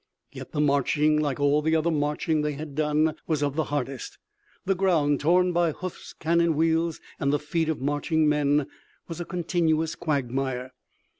Yet the marching, like all the other marching they had done, was of the hardest. The ground, torn by hoofs, cannon wheels and the feet of marching men, was a continuous quagmire.